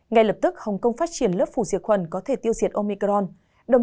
ngay lập tức hồng kông phát triển lớp phủ diệt khuẩn có thể tiêu diệt omicron